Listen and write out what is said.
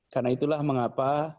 karena itulah mengapa